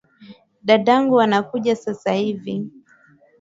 Dadangu anakuja sasa hivi